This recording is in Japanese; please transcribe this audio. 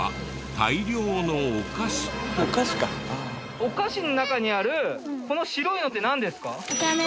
お菓子の中にあるこの白いのってなんですか？